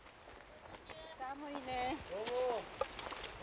寒いね。